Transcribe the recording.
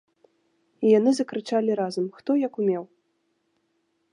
І яны закрычалі разам, хто як умеў.